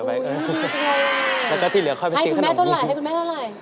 อุ๊ยจริงแล้วก็ทีเหลือค่อยไปกินขนมนิดนึงให้คุณแม่เท่าไหร่